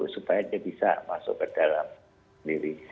supaya dia bisa masuk ke dalam sendiri